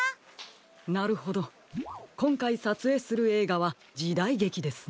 なるほどこんかいさつえいするえいがはじだいげきですね？